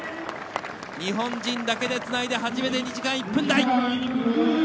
日本人だけでつないで初めて２時間１分台。